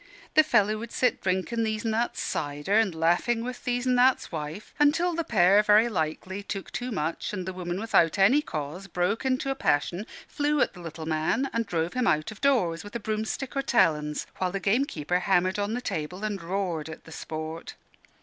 The fellow would sit drinking These an' That's cider and laughing with These an' That's wife, until the pair, very likely, took too much, and the woman without any cause broke into a passion, flew at the little man, and drove him out of doors, with broomstick or talons, while the gamekeeper hammered on the table and roared at the sport.